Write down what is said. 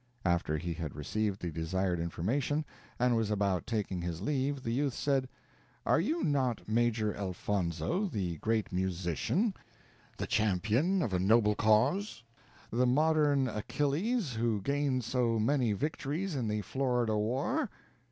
After he had received the desired information, and was about taking his leave, the youth said, "Are you not Major Elfonzo, the great musician the champion of a noble cause the modern Achilles, who gained so many victories in the Florida War?"